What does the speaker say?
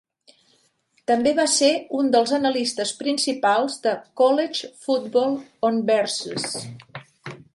També va ser un dels analistes principals de "College Football on Versus".